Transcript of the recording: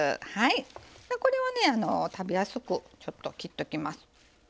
これをね食べやすく切っときます。